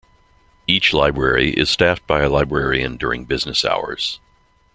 Each library is staffed by a librarian during business hours.